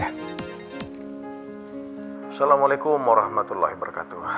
assalamualaikum warahmatullahi wabarakatuh